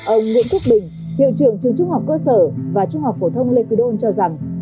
ông nguyễn thúc bình hiệu trưởng trường trung học cơ sở và trung học phổ thông lê quý đôn cho rằng